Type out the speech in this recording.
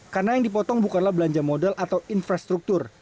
karena yang dipotong bukanlah belanja modal atau infrastruktur